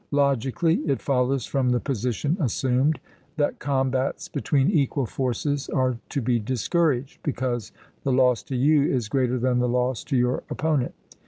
Logically, it follows from the position assumed, that combats between equal forces are to be discouraged, because the loss to you is greater than the loss to your opponent.